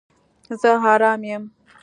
زه آرام یم